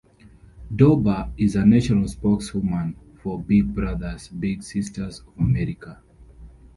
Dawber is a national spokeswoman for Big Brothers Big Sisters of America.